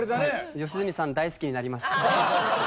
良純さん大好きになりました。